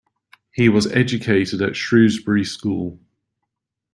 He was educated at Shrewsbury School.